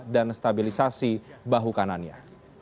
dan stabilisasi bahu kanannya